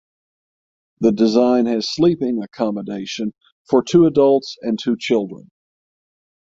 The design has sleeping accommodation for two adults and two children.